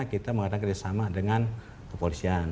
kita mengatakan yang sama dengan kepolisian